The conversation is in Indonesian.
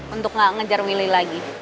untuk nggak ngejar willy lagi